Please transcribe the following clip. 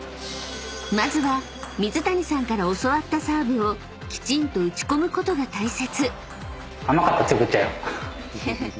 ［まずは水谷さんから教わったサーブをきちんと打ち込むことが大切］